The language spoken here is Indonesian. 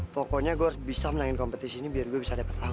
pokoknya gue harus bisa menangin kompetisi ini biar gue bisa dapet laura